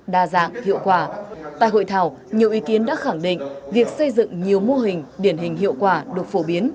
đa dạng hiệu quả tại hội thảo nhiều ý kiến đã khẳng định việc xây dựng nhiều mô hình điển hình hiệu quả được phổ biến